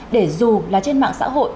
để dù là trên mạng xã hội